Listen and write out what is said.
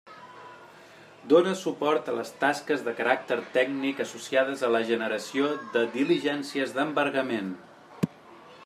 Dóna suport a les tasques de caràcter tècnic associades a la generació de diligències d'embargament.